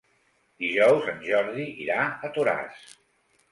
Dijous en Jordi irà a Toràs.